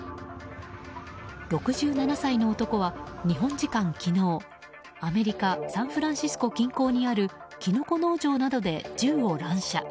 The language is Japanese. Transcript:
６７歳の男は日本時間昨日アメリカサンフランシスコ近郊にあるキノコ農場などで銃を乱射。